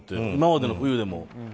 今までの冬でも。